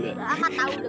lama tau dong pasti